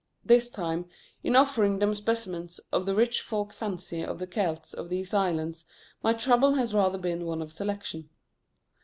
This time, in offering them specimens of the rich folk fancy of the Celts of these islands, my trouble has rather been one of selection.